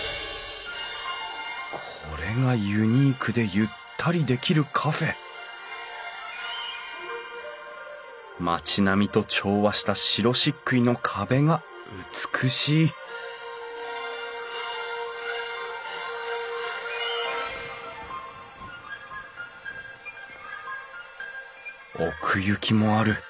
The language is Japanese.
これがユニークでゆったりできるカフェ町並みと調和した白しっくいの壁が美しい奥行きもある。